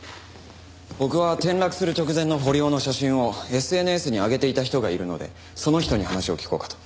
僕は転落する直前の堀尾の写真をＳＮＳに上げていた人がいるのでその人に話を聞こうかと。